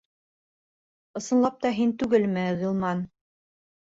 Ысынлап та һин түгелме, Ғилман?